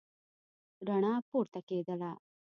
رڼا پورته کېدله.